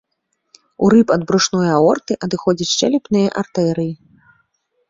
У рыб ад брушной аорты, адыходзяць шчэлепныя артэрыі.